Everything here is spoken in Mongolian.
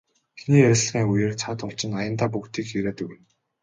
Эхний ярилцлагын үеэр цаадуул чинь аяндаа бүгдийг яриад өгнө.